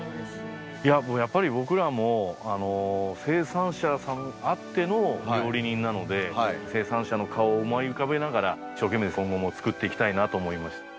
いややっぱり僕らも生産者さんあっての料理人なので生産者の顔を思い浮かべながら一生懸命今後も作っていきたいなと思いました。